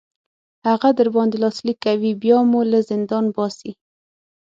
هغه در باندې لاسلیک کوي بیا مو له زندان باسي.